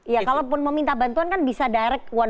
ya kalau pun mau minta bantuan kan bisa daerah ke pak jokowi